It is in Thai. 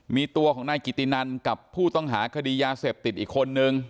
มีตัวของนายกิตินันกับผู้ต้องหาคดียาเสพติดอีกคนนึง